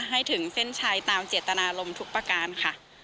ให้ถึงเส้นชัยตามเจตนารมณ์ทุกประการค่ะ